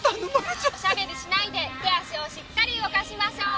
お喋りしないで手足をしっかり動かしましょう。